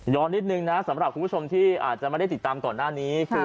นิดนึงนะสำหรับคุณผู้ชมที่อาจจะไม่ได้ติดตามก่อนหน้านี้คือ